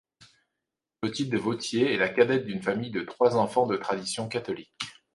Clotilde Vautier est la cadette d'une famille de trois enfants de tradition catholique.